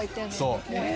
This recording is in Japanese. そう。